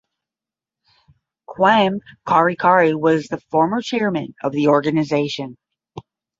Kwame Karikari was the former chairman of the organization.